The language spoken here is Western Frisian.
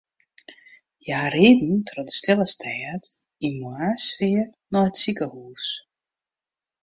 Hja rieden troch de stille stêd yn moarnssfear nei it sikehûs.